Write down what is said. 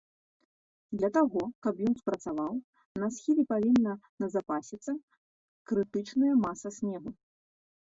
Для таго, каб ён спрацаваў, на схіле павінна назапасіцца крытычная маса снегу.